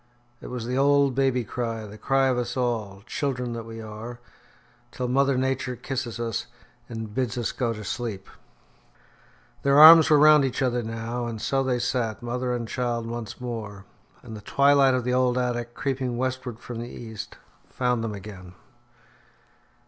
It was the old baby cry, the cry of us all, children that we are, till mother Nature kisses us and bids us go to sleep. Their arms were round each other now, and so they sat, mother and child once more. And the twilight of the old attic, creeping westward from the east, found them again.